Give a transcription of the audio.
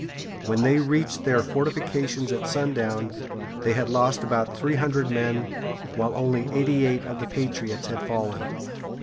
When they reached their fortifications at sundown they had lost about three hundred men, while only eighty eight of the patriots had fallen.